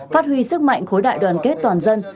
phát huy sức mạnh khối đại đoàn kết toàn dân